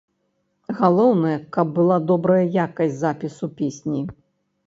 Галоўнае, каб была добрая якасць запісу песні.